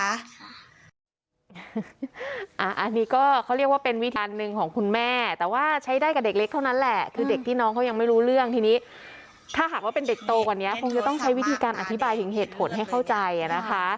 อันนี้ก็เขาเรียกว่าเป็นวิธีหนึ่งของคุณแม่แต่ว่าใช้ได้กับเด็กเล็กเท่านั้นแหละคือเด็กพี่น้องเขายังไม่รู้เรื่องทีนี้ถ้าหากว่าเป็นเด็กโตกว่านี้คงจะต้องใช้วิธีการอธิบายถึงเหตุผลให้เข้าใจนะคะ